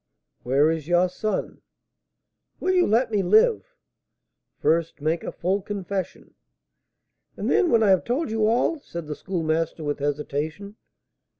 "Where is your son?" "Will you let me live?" "First make a full confession." "And then, when I have told you all " said the Schoolmaster with hesitation.